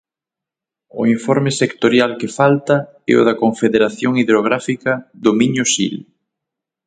O informe sectorial que falta é o da Confederación Hidrográfica do Miño-Sil.